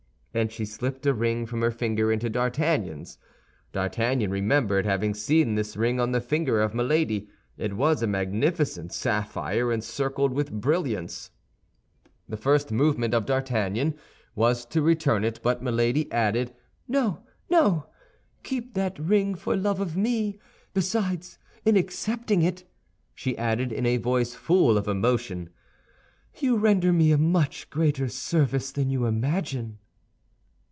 and she slipped a ring from her finger onto D'Artagnan's. D'Artagnan remembered having seen this ring on the finger of Milady; it was a magnificent sapphire, encircled with brilliants. The first movement of D'Artagnan was to return it, but Milady added, "No, no! Keep that ring for love of me. Besides, in accepting it," she added, in a voice full of emotion, "you render me a much greater service than you imagine."